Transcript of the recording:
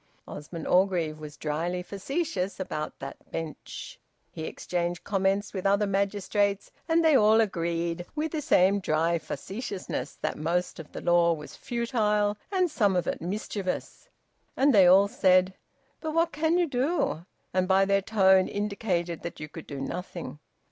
Osmond Orgreave was dryly facetious about that bench. He exchanged comments with other magistrates, and they all agreed, with the same dry facetiousness, that most of the law was futile and some of it mischievous; and they all said, `But what can you do?' and by their tone indicated that you could do nothing.